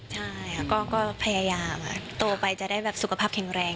ใช่ค่ะก็พยายามโตไปจะได้แบบสุขภาพแข็งแรง